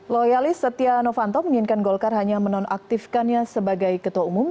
loyalis setia novanto menginginkan golkar hanya menonaktifkannya sebagai ketua umum